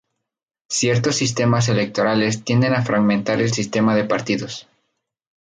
Ciertos sistemas electorales tienden a fragmentar el sistema de partidos.